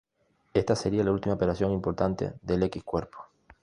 Esta sería la última operación importante del X Cuerpo.